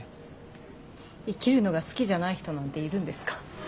生きるのが好きじゃない人なんているんですか？